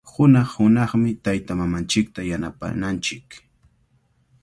Hunaq-hunaqmi taytamamanchikta yanapananchik.